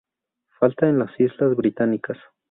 Falta en las Islas Británicas.